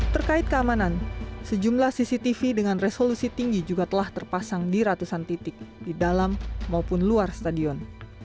terkait keamanan sejumlah cctv dengan resolusi tinggi juga telah terpasang di ratusan titik di dalam maupun luar stadion